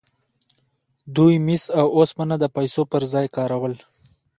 دوی مس او اوسپنه د پیسو پر ځای کارول.